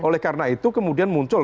oleh karena itu kemudian muncul